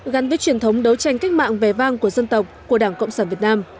gắn với truyền thống đấu tranh cách mạng vẻ vang của dân tộc của đảng cộng sản việt nam